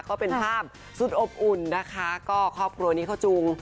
ก็เป็นภาพสุดอบอุ่นนะคะก็ครอบครัวนี้เขาจูง